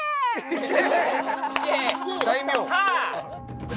大名？